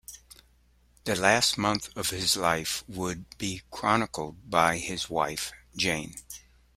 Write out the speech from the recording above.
The last month of his life would be chronicled by his wife, Jane.